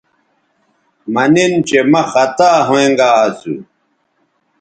مہ نن چہ مہ خطا ھوینگا اسو